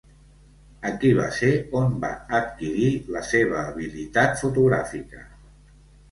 Aquí va ser on va adquirir la seva habilitat fotogràfica.